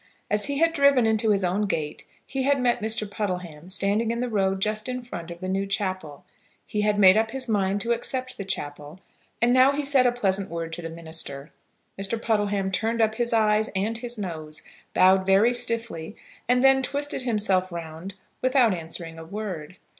As he had driven into his own gate he had met Mr. Puddleham, standing in the road just in front of the new chapel. He had made up his mind to accept the chapel, and now he said a pleasant word to the minister. Mr. Puddleham turned up his eyes and his nose, bowed very stiffly, and then twisted himself round, without answering a word.